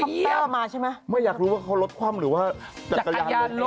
เดี๋ยวมันไลน์มาด่านี่